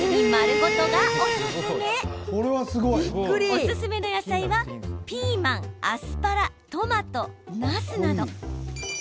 おすすめの野菜はピーマンアスパラ、トマト、なすなど。